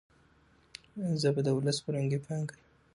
ژبه د ولس فرهنګي پانګه ده.